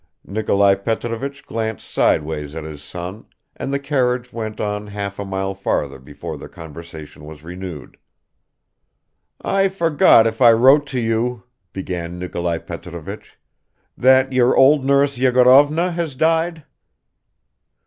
Nikolai Petrovich glanced sideways at his son, and the carriage went on half a mile farther before their conversation was renewed. "I forget if I wrote to you," began Nikolai Petrovich, "that your old nurse Yegorovna has died."